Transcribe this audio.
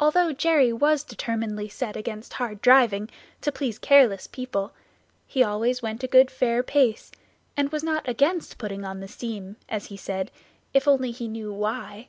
Although Jerry was determinedly set against hard driving, to please careless people, he always went a good fair pace, and was not against putting on the steam, as he said, if only he knew why.